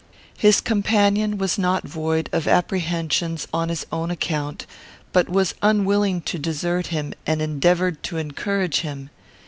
His companion was not void of apprehensions on his own account, but was unwilling to desert him, and endeavoured to encourage him.